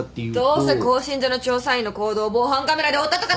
どうせ興信所の調査員の行動を防犯カメラで追ったとかだろ！